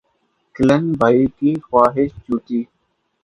کلن بھائی کی خواہش جوتی